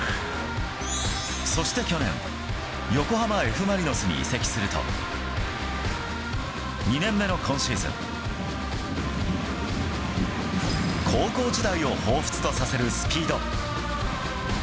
そして去年、横浜Ｆ・マリノスに移籍すると、２年目の今シーズン、高校時代をほうふつとさせるスピード。